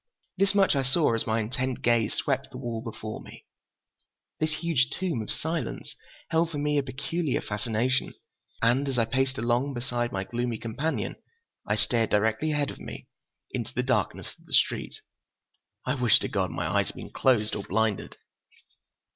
This much I saw as my intent gaze swept the wall before me. This huge tomb of silence held for me a peculiar fascination, and as I paced along beside my gloomy companion, I stared directly ahead of me into the darkness of the street. I wish to God my eyes had been closed or blinded!